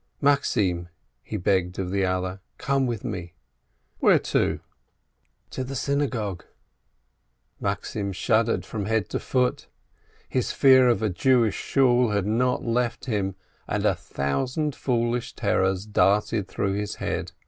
"Maxim!" he begged of the other, "come with me!'' "Where to?" A LIVELIHOOD 257 "To the synagogue/' Maxim shuddered from head to foot. His fear of a Jewish Shool had not left him, and a thousand foolish terrors darted through his head.